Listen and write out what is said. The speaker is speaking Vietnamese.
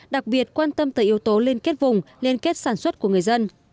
đặc biệt quan tâm tới yếu tố liên kết vùng liên kết sản xuất của người dân